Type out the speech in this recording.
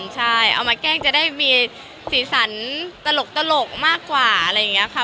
ใช่เอามาแกล้งจะได้มีสีสันตลกมากกว่าอะไรอย่างนี้ค่ะ